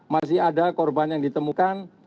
masih ada korban yang ditemukan